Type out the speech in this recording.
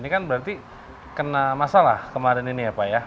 ini kan berarti kena masalah kemarin ini ya pak ya